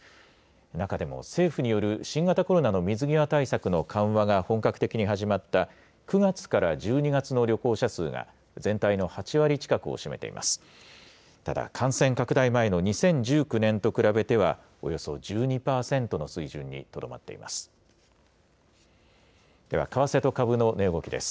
中でも政府による新型コロナの水際対策の緩和が本格的に始まった９月から１２月の旅行者数が、全体の８割近くを占めています。